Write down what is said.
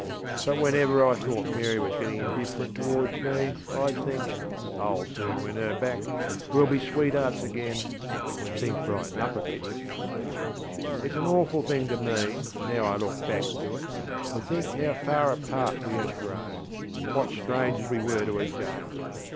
But whenever I thought Mary was getting indifferent towards me, IŌĆÖd think, ŌĆśIŌĆÖll soon win her back. WeŌĆÖll be sweethearts againŌĆö when things brighten up a bit. ŌĆÖ ItŌĆÖs an awful thing to me, now I look back to it, to think how far apart we had grown, what strangers we were to each other.